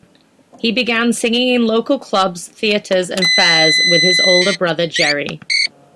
He began singing in local clubs, theaters, and fairs with his older brother, Jerry.